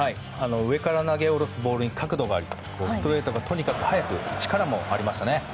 上から投げ下ろすボールに角度がありストレートがとにかく速く力もありましたね。